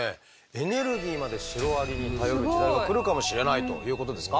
エネルギーまでシロアリに頼る時代が来るかもしれないということですか？